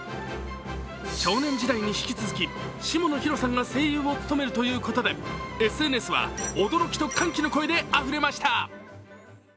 少年時代に引き続き下野紘さんが声優を務めるということでＳＮＳは驚きと歓喜の声であふれました。